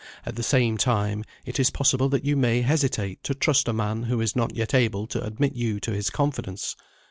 At the same time, it is possible that you may hesitate to trust a man who is not yet able to admit you to his confidence.